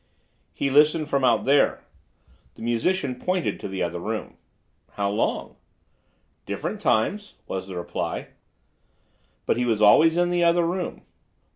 "He listened from out there." The musician pointed to the other room. "How long?" "Different times," was the placid reply. "But he was always in the other room."